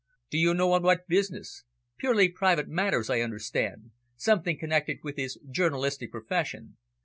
"Do you know on what business?" "Purely private affairs, I understand. Something connected with his journalistic profession.